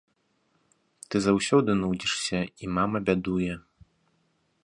Ты заўсёды нудзішся, і мама бядуе.